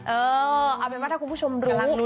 เออเอาเป็นว่าถ้าคุณผู้ชมรู้